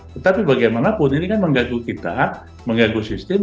tetapi bagaimanapun ini kan menggaguh kita mengganggu sistem